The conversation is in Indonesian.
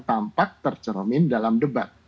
tampak terceromin dalam debat